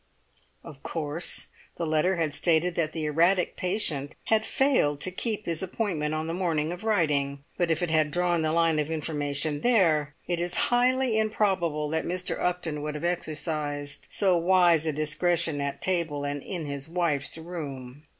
Of course the letter had stated that the erratic patient had failed to keep his appointment on the morning of writing; but if it had drawn the line of information there, it is highly improbable that Mr. Upton would have exercised so wise a discretion at table and in his wife's room.